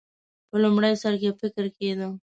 په لومړي سر کې فکر کېده.